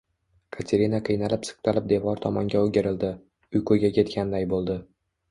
Katerina qiynalib-siqtalib devor tomonga oʻgirildi, uyquga ketganday boʻldi.